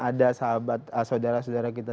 ada sahabat saudara saudara kita